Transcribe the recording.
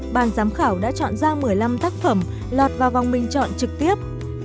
ban giám khảo đã chọn ra một mươi năm tác phẩm lọt vào vòng bình chọn trực tiếp